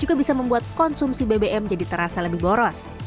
juga bisa membuat konsumsi bbm jadi terasa lebih boros